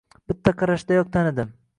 Bitta qarashdayoq tanidim